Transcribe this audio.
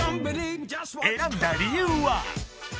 選んだ理由は？